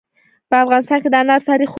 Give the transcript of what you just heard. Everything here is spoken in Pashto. په افغانستان کې د انار تاریخ اوږد دی.